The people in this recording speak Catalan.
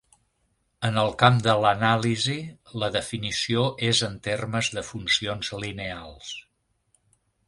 En el camp de l'anàlisi, la definició és en termes de funcions lineals.